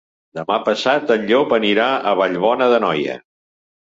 Demà passat en Llop anirà a Vallbona d'Anoia.